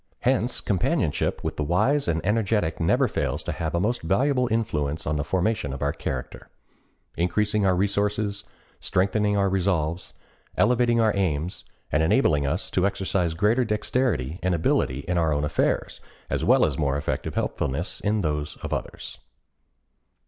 Hence companionship with the wise and energetic never fails to have a most valuable influence on the formation of character—increasing our resources, strengthening our resolves, elevating our aims, and enabling us to exercise greater dexterity and ability in our own affairs, as well as more effective helpfulness in those of others.